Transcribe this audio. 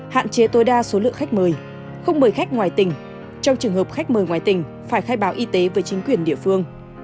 hạn chế tối đa số lượng khách mời không mời khách ngoài tỉnh trong trường hợp khách mời ngoài tỉnh phải khai báo y tế với chính quyền địa phương